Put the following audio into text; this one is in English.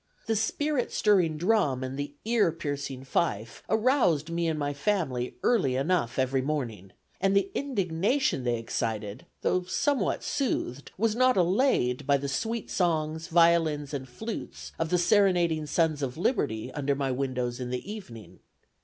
The spirit stirring drum and the ear piercing fife aroused me and my family early enough every morning, and the indignation they excited, though somewhat soothed, was not allayed by the sweet songs, violins and flutes, of the serenading Sons of Liberty under my windows in the evening.